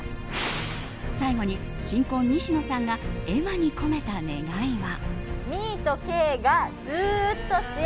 最後に新婚・西野さんが絵馬に込めた願いは。